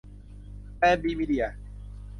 แพลน บี มีเดีย